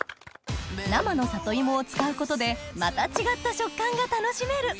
生の里芋を使うことでまた違った食感が楽しめる！